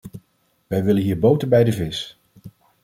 Wij willen hier boter bij de vis.